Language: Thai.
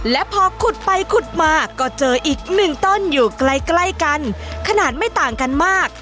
และพอขุดไปขุดมาก็เจออีกหนึ่งต้นอยู่ใกล้ใกล้กันขนาดไม่ต่างกันมาก